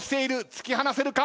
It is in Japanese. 突き放せるか？